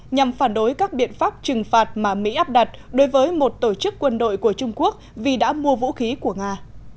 nhằm phản đối các biện pháp trừng phạt mà mỹ áp đặt đối với một tổ chức quân đội của trung quốc vì đã mua vũ khí của nga